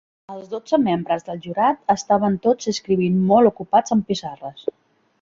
Els dotze membres del jurat estaven tots escrivint molt ocupats en pissarres.